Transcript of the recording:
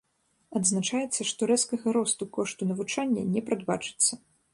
Адзначаецца, што рэзкага росту кошту навучання не прадбачыцца.